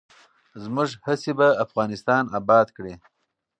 زموږ هڅې به افغانستان اباد کړي.